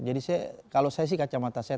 jadi kalau saya sih kacamata saya